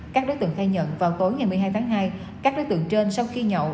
các đối tượng khai nhận vào tối ngày một mươi hai tháng hai các đối tượng trên sau khi nhậu